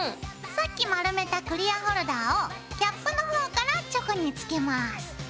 さっき丸めたクリアホルダーをキャップの方からチョコにつけます。